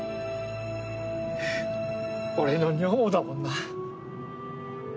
俺の女房だもんな。